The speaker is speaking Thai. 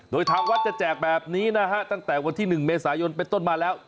โดยทางวัดจะแจกแบบนี้นะฮะตั้งแต่วันที่๑เมษายนเป็นต้นมาแล้ว